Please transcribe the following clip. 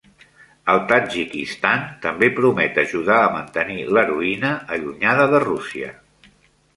El Tadjikistan també promet ajudar a mantenir l'heroïna allunyada de Rússia.